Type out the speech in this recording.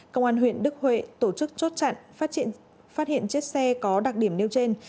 công an huyện đức huệ tổ chức chốt chặn phát hiện chiếc xe có đặc điểm nêu trên